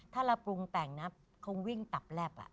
ถ้าเราปรุงแต่งนะเขาวิ่งตับแลบ